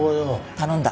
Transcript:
頼んだ。